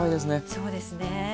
そうですね。